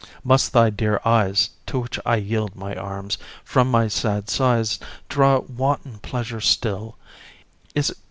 Must thy dear eyes, to which I yield my arms, From my sad sighs draw wanton pleasure still?